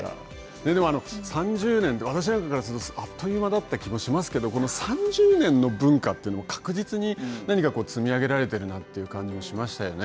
３０年って、私なんかからすると、あっという間だった気がしますけど、この３０年の文化というのも、確実に何か積み上げられてるなという感じもしましたよね。